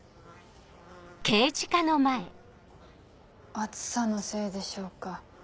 暑さのせいでしょうか。